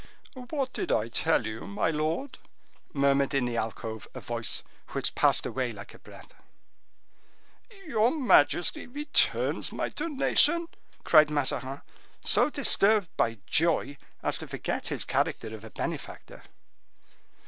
"What did I tell you, my lord?" murmured in the alcove a voice which passed away like a breath. "Your majesty returns my donation!" cried Mazarin, so disturbed by joy as to forget his character of a benefactor.